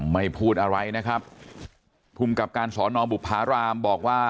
ไม่พูดอะไรนะครับภูมิกับการสอนอบุภารามบอกว่า